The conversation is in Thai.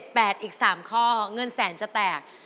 ต่อไป๖๗๘อีก๓ข้อเงินแสนจะแตก